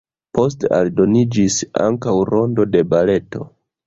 Poste aldoniĝis ankaŭ rondo de baleto.